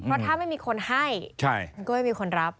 เพราะถ้าไม่มีคนให้มันก็ไม่มีคนรับ